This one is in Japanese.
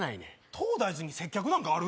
東大寺に接客なんかある？